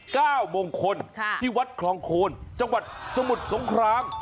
มงคลค่ะที่วัดคลองโคนจังหวัดสมุทรสงคราม